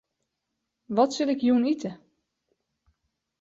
Wat sil ik jûn ite?